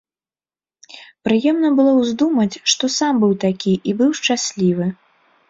Прыемна было ўздумаць, што сам быў такі і быў шчаслівы.